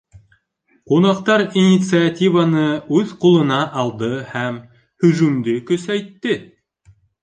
Ҡунаҡтар инициативаны үҙ ҡулына алды һәм һөжүмде көсәйтте